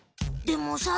でもさ